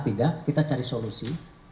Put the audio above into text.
tidak kita cari solusi